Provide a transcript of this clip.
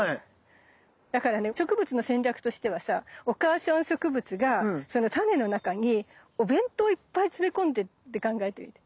だからね植物の戦略としてはさお母さん植物がそのタネの中にお弁当いっぱい詰め込んでって考えてみて。